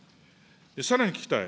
さらに聞きたい。